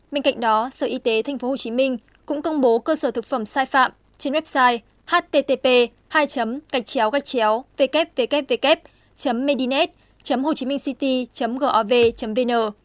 bên cạnh đó sở y tế tp hcm cũng công bố cơ sở thực phẩm sai phạm trên website http www medinet hcc gov vn